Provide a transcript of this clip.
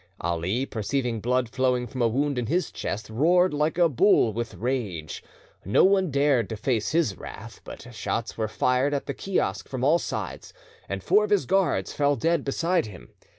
Ali, perceiving blood flowing from a wound in his chest, roared like a bull with rage. No one dared to face his wrath, but shots were fired at the kiosk from all sides, and four of his guards fell dead beside him.